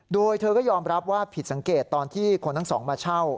โดยเธอก็ยอมรับว่าผิดสังเกตตอนที่คนทั้งสองมาเช่า